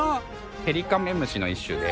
ヘリカメムシの一種で。